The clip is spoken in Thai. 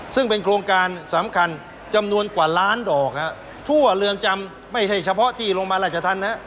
ซึ่งเป็นโครงการสำคัญจำนวนกว่าล้านดอกทั่วเรือนจำไม่ใช่เฉพาะที่โรงพยาบาลราชธรรมนะ